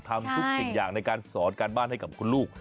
ทำทุกสิ่งอย่างในการสอนการบ้านให้กับคุณลูก